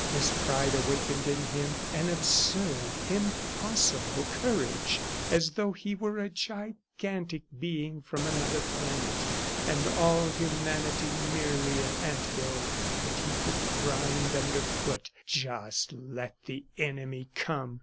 This pride awakened in him an absurd, impossible courage, as though he were a gigantic being from another planet, and all humanity merely an ant hill that he could grind under foot. Just let the enemy come!